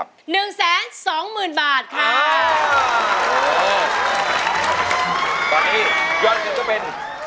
ตอนนี้ย่อสมทบจะเป็น๒๑๐๐๐๐บาท